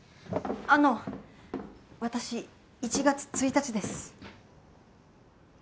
あの私１月１日です。